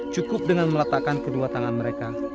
cukup dengan meletakkan kedua tangan mereka